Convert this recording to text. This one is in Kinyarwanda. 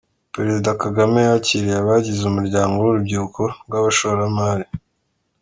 Perezida Kagame yakiriye abagize umuryango w’urubyiruko rw’abashoramari